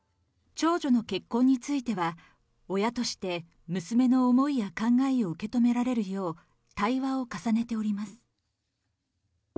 長女の結婚については、親として娘の思いや考えを受け止められるよう、対話を重ねております。